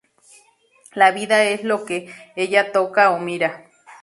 La vida es lo que ella toca o mira.